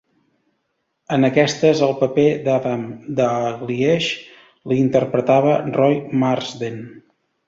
En aquestes el paper d'Adam Dalgliesh l'interpretava Roy Marsden.